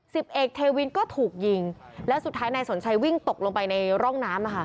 สิบเอกเทวินก็ถูกยิงแล้วสุดท้ายนายสนชัยวิ่งตกลงไปในร่องน้ำ